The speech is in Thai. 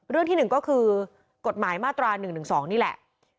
ที่๑ก็คือกฎหมายมาตรา๑๑๒นี่แหละ